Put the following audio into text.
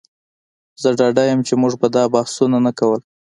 زه ډاډه یم چې موږ به دا بحثونه نه کول